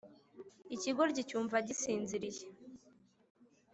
ikigoryi cyumva gisinziriye